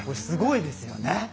すごいですよね。